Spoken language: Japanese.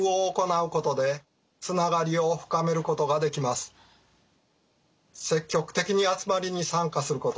住人たちが積極的に集まりに参加すること。